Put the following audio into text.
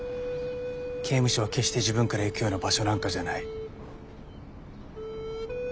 刑務所は決して自分から行くような場所なんかじゃない。